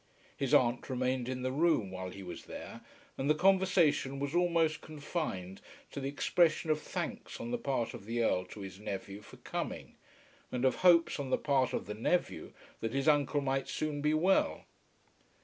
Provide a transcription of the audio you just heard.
His aunt remained in the room while he was there, and the conversation was almost confined to the expression of thanks on the part of the Earl to his nephew for coming, and of hopes on the part of the nephew that his uncle might soon be well.